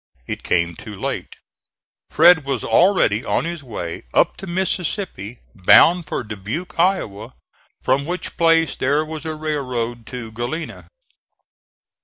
It came too late. Fred was already on his way up the Mississippi bound for Dubuque, Iowa, from which place there was a railroad to Galena.